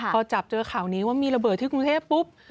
พอจับเจอข่าวนี้ว่ามีระเบิดที่กรุงเทพปุ๊บ